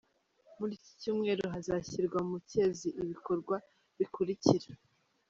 Muri iki cyumweru, hazashyirwa mu cyezi ibikorwa bikurikira: